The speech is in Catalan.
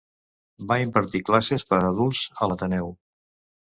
Va impartir classes per a adults a l'Ateneu.